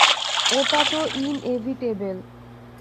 ওটা তো ইনএভিটেবেল!